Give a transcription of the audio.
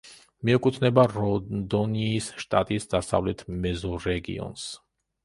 მიეკუთვნება რონდონიის შტატის დასავლეთ მეზორეგიონს.